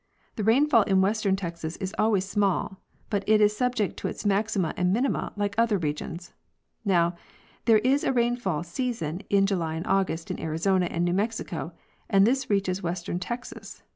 The rainfall in western Texas is always small, but it is subject to its maxima and minima, like other regions. Now, there is a rainfall season in July and August in Arizona and New Mexico, and this reaches western Texas.